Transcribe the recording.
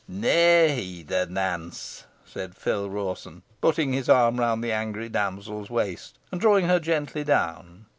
"Ne'er heed her, Nance," said Phil Rawson, putting his arm round the angry damsel's waist, and drawing her gently down.